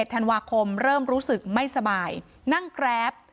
ธันวาคมเริ่มรู้สึกไม่สบายนั่งแกรป